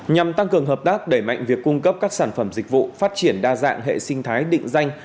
nhằm tăng cường hợp tác đẩy mạnh việc cung cấp các sản phẩm dịch vụ phát triển đa dạng hệ sinh thái định danh